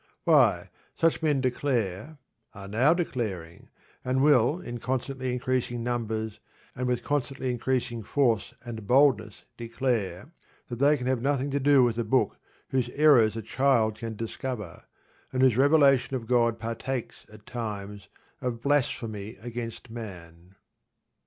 Why, such men declare are now declaring, and will in constantly increasing numbers, and with constantly increasing force and boldness declare that they can have nothing to do with a book whose errors a child can discover, and whose revelation of God partakes at times of blasphemy against man.